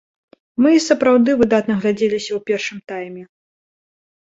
Мы і сапраўды выдатна глядзеліся ў першым тайме.